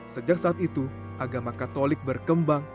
sejak saat itu agama katolik berkembang